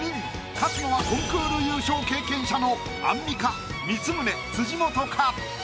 勝つのはコンクール優勝経験者のアンミカ光宗辻元か？